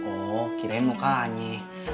oh kirain mukanya